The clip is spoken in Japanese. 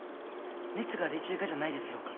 熱が出ちゅうがじゃないですろうか？